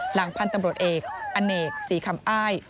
หลังพันธุ์ตำรวจเอกอเนกศรีคำอ้าย